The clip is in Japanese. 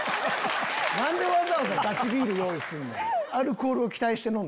何でわざわざガチビール用意すんねん。